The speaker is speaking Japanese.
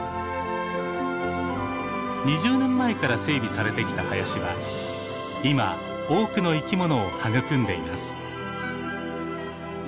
２０年前から整備されてきた林は今多くの生きものを育んでいます。